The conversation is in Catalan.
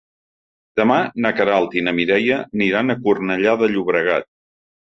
Demà na Queralt i na Mireia aniran a Cornellà de Llobregat.